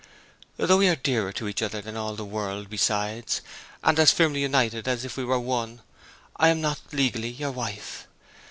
Though we are dearer to each other than all the world besides, and as firmly united as if we were one, I am not legally your wife!